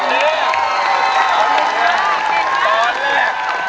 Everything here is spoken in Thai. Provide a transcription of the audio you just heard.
เอ่อเหมือนเนื้อ